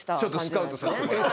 スカウトさせてもらった。